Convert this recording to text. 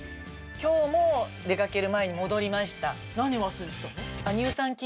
今日も出かける前に戻りました。